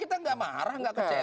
kita tidak marah tidak kecewa